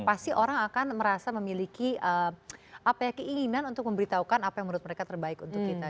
pasti orang akan merasa memiliki keinginan untuk memberitahukan apa yang menurut mereka terbaik untuk kita